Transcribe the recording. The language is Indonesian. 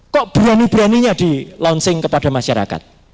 kok berani beraninya di launching kepada masyarakat